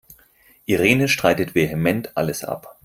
Irene streitet vehement alles ab.